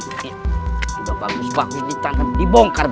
kayaknya juga bagus bagus ditangkap dibongkar